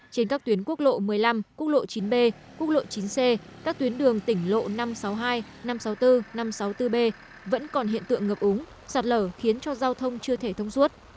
trên các tuyến quốc lộ một mươi năm quốc lộ chín b quốc lộ chín c các tuyến đường tỉnh lộ năm trăm sáu mươi hai năm trăm sáu mươi bốn năm trăm sáu mươi bốn b vẫn còn hiện tượng ngập úng sạt lở khiến cho giao thông chưa thể thông suốt